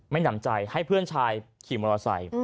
หนำใจให้เพื่อนชายขี่มอเตอร์ไซค์